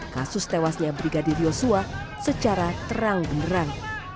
kasus tewasnya brigadir yosua secara terang beneran